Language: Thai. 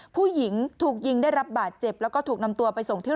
ผู้หญิงถูกยิงได้รับบาดเจ็บแล้วก็ถูกนำตัวไปส่งที่